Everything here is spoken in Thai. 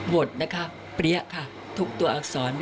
ดนะคะเปรี้ยค่ะทุกตัวอักษร